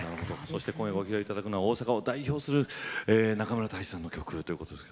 今夜ご披露いただくのは大阪を代表する作曲家中村泰士さんの曲です。